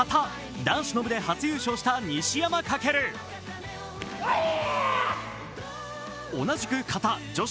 男子の部で初優勝した西山走。